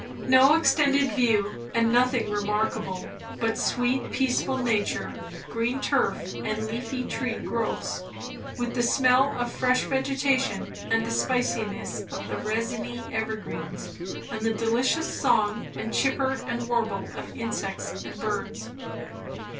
No extended view, and nothing remarkable; but sweet, peaceful nature, green turf, and leafy tree growths; with the smell of fresh vegetation and the spiciness of the resiny evergreens, and the delicious song and chipper and warble of insects and birds.